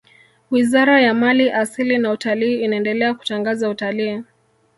wizara ya mali asili na utalii inaendelea kutangaza utalii